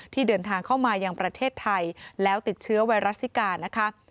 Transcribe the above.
เดินทางเข้ามายังประเทศไทยแล้วติดเชื้อไวรัสซิกานะคะ